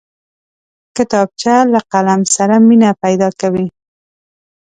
کتابچه له قلم سره مینه پیدا کوي